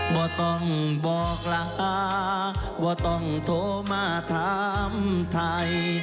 บ่ต้องบอกล่าบ่ต้องโทรมาถามไทย